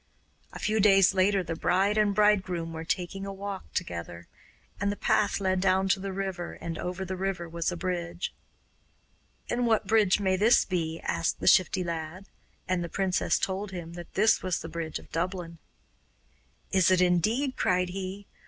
A few days later the bride and bridegroom were taking a walk together, and the path led down to the river, and over the river was a bridge. 'And what bridge may this be?' asked the Shifty Lad; and the princess told him that this was the bridge of Dublin. 'Is it indeed?' cried he.